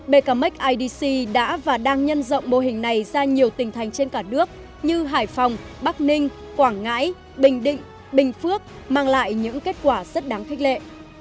bkmac idc đã và đang nhân rộng mô hình này ra nhiều tỉnh thành trên cả nước như hải phòng bắc ninh quảng ngãi bình định bình phước mang lại những kết quả rất đáng khích lệ